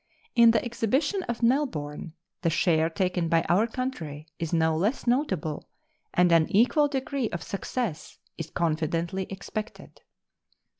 In the exhibition at Melbourne the share taken by our country is no less notable, and an equal degree of success is confidently expected.